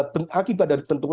dan akibat dari bentuk